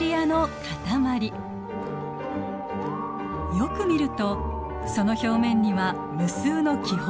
よく見るとその表面には無数の気泡が付いています。